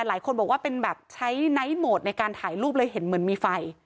หลายคนบอกว่าเป็นแบบใช้ไนท์โหมดในการถ่ายรูปเลยเห็นเหมือนมีไฟ